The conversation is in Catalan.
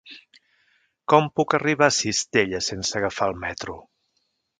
Com puc arribar a Cistella sense agafar el metro?